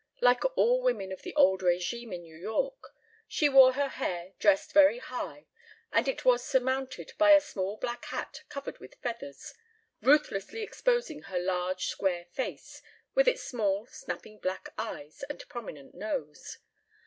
Like all women of the old régime in New York, she wore her hair dressed very high and it was surmounted by a small black hat covered with feathers, ruthlessly exposing her large square face with its small snapping black eyes and prominent nose.